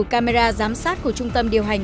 camera giám sát của trung tâm điều hành